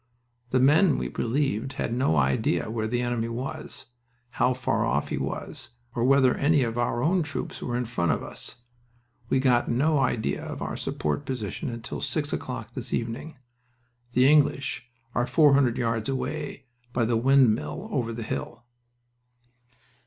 "The men we relieved had no idea where the enemy was, how far off he was, or whether any of our own troops were in front of us. We got no idea of our support position until six o'clock this evening. The English are four hundred yards away, by the windmill over the hill."